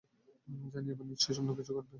জানি, এবার নিশ্চয়ই অন্যকিছু ঘটবে!